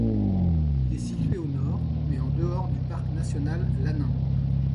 Il est situé au nord, mais en dehors du parc national Lanín.